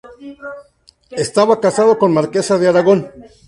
Estaba casado con Marquesa de Aragón.